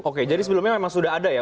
oke jadi sebelumnya memang sudah ada ya